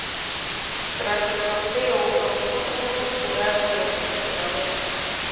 Tras el sorteo, los cuatro grupos quedaron de la siguiente manera.